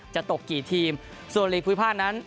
จะตกกี่ทีมส่วนลีกภูมิภาคนั้น